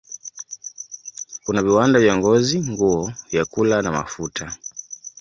Kuna viwanda vya ngozi, nguo, vyakula na mafuta.